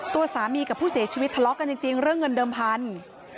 ตัวสามีกับผู้เสียชีวิตทะเลาะกันจริงเรื่องเงินเดิมพันธุ์